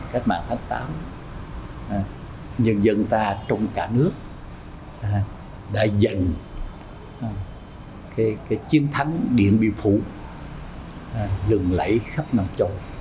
cách mạng tháng tám nhân dân ta trong cả nước đã dành chiến thắng điện biên phủ lừng lẫy khắp nam châu